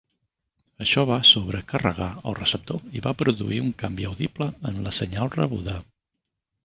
Això va sobrecarregar el receptor i va produir un canvi audible en la senyal rebuda.